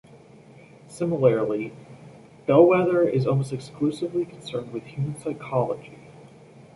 Similarly, "Bellwether" is almost exclusively concerned with human psychology.